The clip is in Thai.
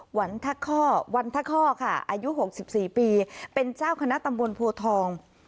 วันทะข้อวันทะข้อค่ะอายุ๖๔ปีเป็นเจ้าคณะตำบลโพทอง